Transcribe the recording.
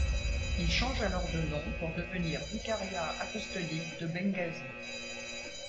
Il change alors de nom pour devenir vicariat apostolique de Bengghazi.